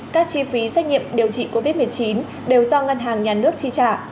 các chi phí xét nghiệm điều trị covid một mươi chín đều do ngân hàng nhà nước chi trả